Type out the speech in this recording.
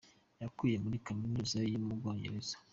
yakuye muri Kaminuza yo mu Bwongereza.